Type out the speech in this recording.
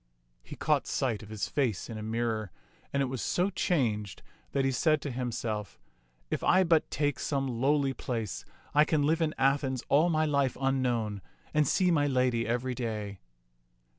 He caught sight of his face in a mirror, and it was so changed that he said to himself, " If I but take some lowly place, I can live in Athens all my life unknown, and see my lady every day."